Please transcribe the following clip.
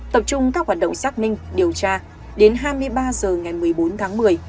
tập trung các hoạt động xác minh điều tra đến hai mươi ba h ngày một mươi bốn tháng một mươi